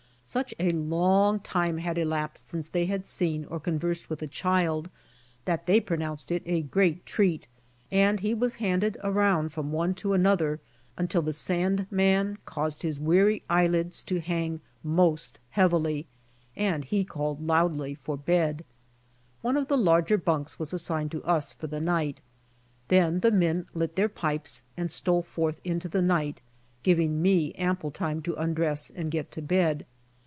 Such a long time had elapsed since they had seen or conversed 130 BY OX TEAM TO CALIFORNIA with a child that they pronounced it a great treat, and he was handed around from one to another until the Sandman caused his weary eyelids to hang most heavily, and he called loudly for bed. One of the larger bunks was assigned to us for the night. Then the m)en lit their pipes and stole forth into the night, giving me ample time to undress and get to bed.